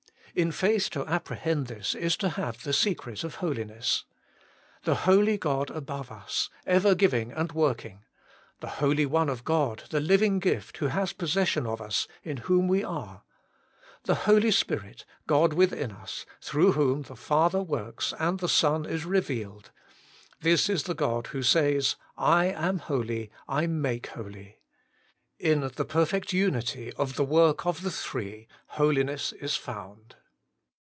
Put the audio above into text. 2. In faith to apprehend this is to have the secret of holiness. The Holy 116 HOLY IN CHRIST. God above us, eoer giving and working ; the Holy One of God, the living gift, who hat possession of us, In whom we are; the Holy Spirit, God within us, through whom the Father works, and the Son Is revealed : this Is the God who says, I am holy, I make holy. In the perfect unity of the work of the Three, holiness Is found.